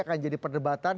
akan jadi perdebatan